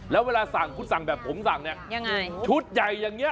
แล้วเวลาสั่งคุณสั่งแบบผมสั่งเนี่ยยังไงชุดใหญ่อย่างนี้